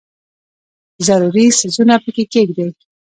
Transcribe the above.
ضروري څیزونه پکې کښېږدي.